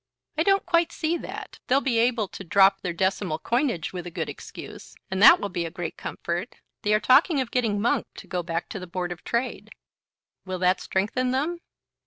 "I don't quite see that. They'll be able to drop their decimal coinage with a good excuse, and that will be a great comfort. They are talking of getting Monk to go back to the Board of Trade." "Will that strengthen them?"